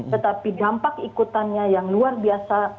tetapi dampak ikutannya yang luar biasa